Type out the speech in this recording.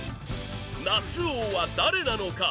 夏王は誰なのか？